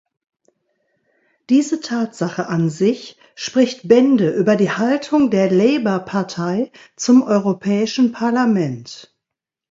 Diese Tatsache an sich spricht Bände über die Haltung der Labour-Partei zum Europäischen Parlament.